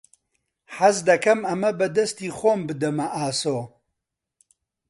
حەز دەکەم ئەمە بە دەستی خۆم بدەمە ئاسۆ.